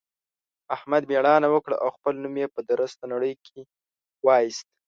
احمد مېړانه وکړه او خپل نوم يې په درسته نړۍ کې واېست.